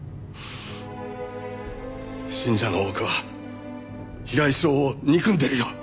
信者の多くは平井翔を憎んでるよ。